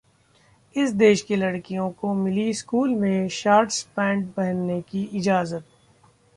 इस देश की लड़कियों को मिली स्कूल में शार्ट्स, पैंट पहनने की इजाजत